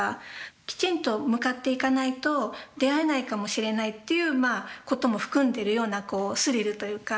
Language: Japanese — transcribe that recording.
きちんと向かっていかないと出会えないかもしれないということも含んでるようなスリルというか。